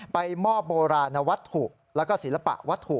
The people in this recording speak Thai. ไปมอบโบราณวัตถุแล้วก็ศิลปะวัตถุ